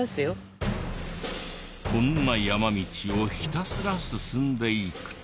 こんな山道をひたすら進んでいくと。